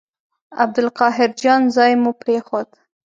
عبدالقاهر جان ځای مو پرېښود.